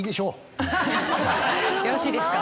よろしいですか？